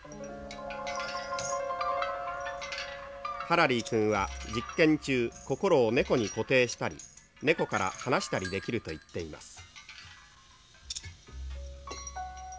「ハラリー君は実験中心を猫に固定したり猫から離したりできると言っています」。